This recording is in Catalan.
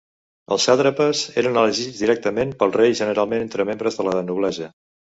Els sàtrapes eren elegits directament pel rei generalment entre membres de la noblesa.